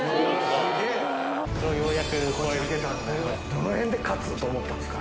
どのへんで勝つと思ったんですか？